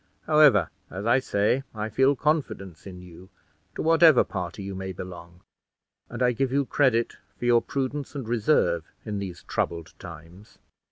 However, as I say, I feel confidence in you, to whatever party you may belong, and I give you credit for your prudence and reserve in these troubled times.